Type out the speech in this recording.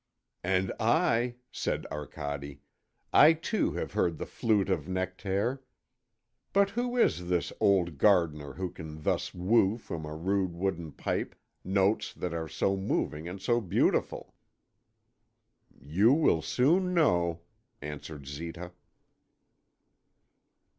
"And I," said Arcade, "I too have heard the flute of Nectaire. But who is this old gardener who can thus woo from a rude wooden pipe notes that are so moving and so beautiful?" "You will soon know," answered Zita.